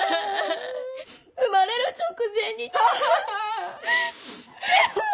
生まれる直前に。